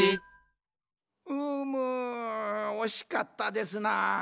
うむおしかったですな。